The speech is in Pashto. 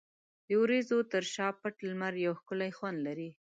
د وریځو تر شا پټ لمر یو ښکلی خوند لري.